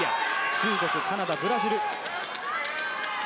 中国、カナダ、ブラジル。